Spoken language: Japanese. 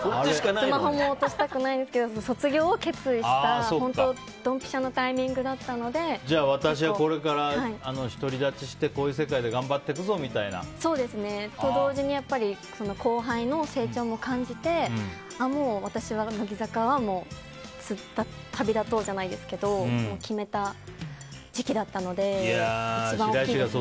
スマホも落としたくないですけど卒業を決意した本当にどんぴしゃなじゃあ、私はこれから独り立ちしてこういう世界で頑張っていくぞみたいな？と同時に、後輩の成長も感じてもう私は乃木坂は旅立とうじゃないですけど決めた時期だったので一番大きいですね。